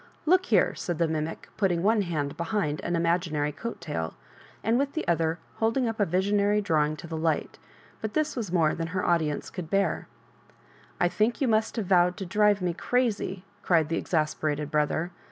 Look here," said the mimic, putting one hyid be hind an imaginary coat tail, and with the other holding up a visionary drawing to the light ; but this Was more than her audience could l^ar. " I think you must have vowed to drive me crazy," cried the exasperated brother.